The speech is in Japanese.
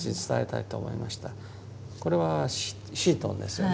これはシートンですよね。